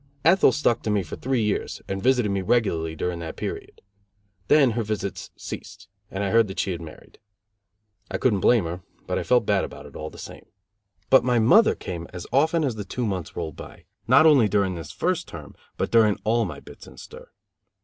Ethel stuck to me for three years and visited me regularly during that period. Then her visits ceased, and I heard that she had married. I couldn't blame her, but I felt bad about it all the same. But my mother came as often as the two months rolled by; not only during this first term, but during all my bits in stir.